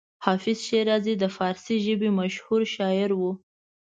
حافظ شیرازي د فارسي ژبې مشهور شاعر و.